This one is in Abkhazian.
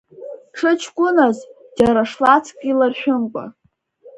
Дшыҷкәыназ, џьара шлацк иларшәымкәа…